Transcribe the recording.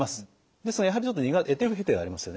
ですがやはりちょっと得手不得手がありますよね。